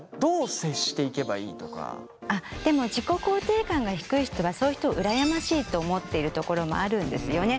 でも自己肯定感が低い人はそういう人をうらやましいと思っているところもあるんですよね。